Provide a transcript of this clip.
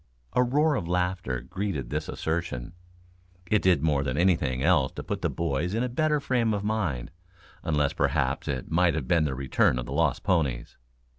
A roar of laughter greeted this assertion. It did more than anything else to put the boys in a better frame of mind unless perhaps it might have been the return of the lost ponies.